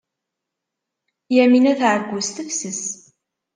Yamina tɛeyyu s tefses.